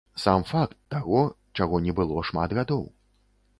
Сам факт таго, чаго не было шмат гадоў.